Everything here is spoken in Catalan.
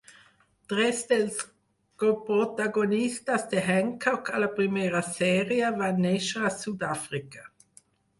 Tres dels coprotagonistes de Hancock a la primera sèrie van néixer a Sudàfrica.